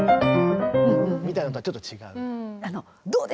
みたいなのとはちょっと違う。